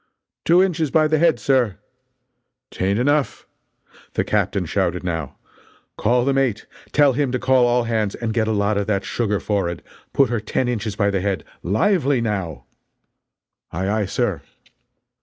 "Two inches by the head, sir." "'T ain't enough!" The captain shouted, now: "Call the mate. Tell him to call all hands and get a lot of that sugar forrard put her ten inches by the head. Lively, now!" "Aye aye, sir."